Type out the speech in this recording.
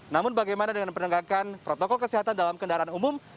namun bagaimana dengan penegakan protokol kesehatan dalam kendaraan umum